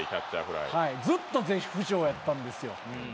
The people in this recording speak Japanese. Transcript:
ずっと絶不調やったんですよ。